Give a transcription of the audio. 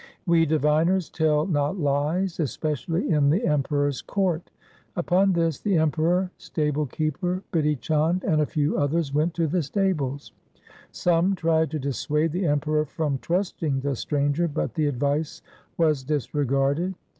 We diviners tell not lies, especially in the Emperor's court.' Upon this the Emperor, stable keeper, Bidhi Chand, and 176 THE SIKH RELIGION a few others went to the stables. Some tried to dissuade the Emperor from trusting the stranger, but the advice was disregarded.